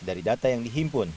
dari data yang dihilangkan